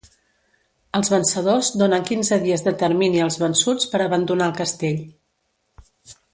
Els vencedors donen quinze dies de termini als vençuts per abandonar el castell.